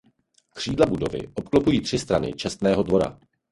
Křídla budovy obklopují tři strany čestného dvora.